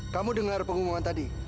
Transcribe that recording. kamu dengar pengumuman tadi